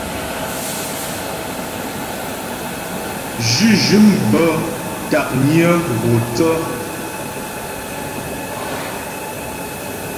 Zhʉ́zhʉ̂m bə́ ntǎknyə gho thə.